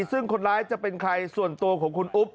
ซึ่งคนร้ายจะเป็นใครส่วนตัวของคุณอุ๊บ